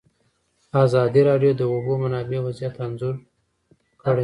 ازادي راډیو د د اوبو منابع وضعیت انځور کړی.